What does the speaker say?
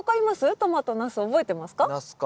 トマトナス覚えてますか？